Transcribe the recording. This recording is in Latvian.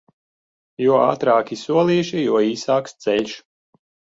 Jo ātrāki solīši, jo īsāks ceļš.